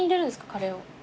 カレーを。